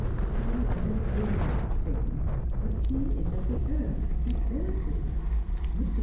Papa is a dear old thing, but he is of the earth, earthy. Mr.